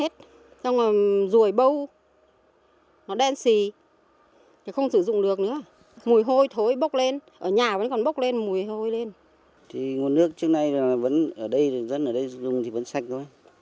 thì nguồn nước trước nay là vẫn ở đây dân ở đây dùng thì vẫn sạch thôi